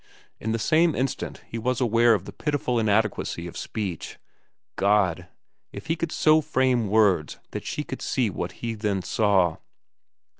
In the same instant he was aware of the pitiful inadequacy of speech. God! If he could so frame words that she could see what he then saw!